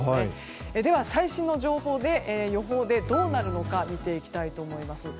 では最新の予報でどうなるのか見ていきたいと思います。